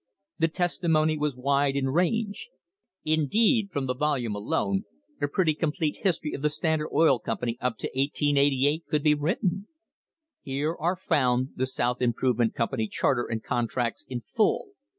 The testimony was wide in range. Indeed, from the volume alone, a pretty complete history of the Standard Oil Company up to 1888 could be written. Here are found the South Improvement Company charter and contracts in full.